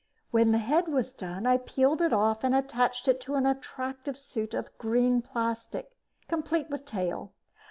When the head was done, I peeled it off and attached it to an attractive suit of green plastic, complete with tail.